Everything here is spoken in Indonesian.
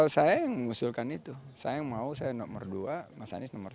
saya yang mengusulkan itu saya yang mau saya nomor dua mas anies nomor dua